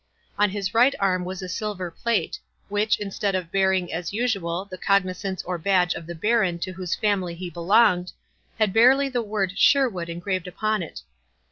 On his right arm was a silver plate, which, instead of bearing, as usual, the cognizance or badge of the baron to whose family he belonged, had barely the word SHERWOOD engraved upon it.